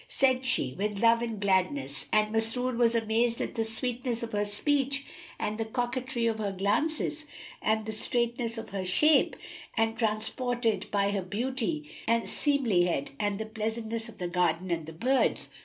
Said she, "With love and gladness!"; and Masrur was amazed at the sweetness of her speech and the coquetry of her glances and the straightness of her shape, and transported by her beauty and seemlihead and the pleasantness of the garden and the birds.